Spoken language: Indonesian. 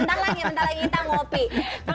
bentar lagi bentar lagi kita ngopi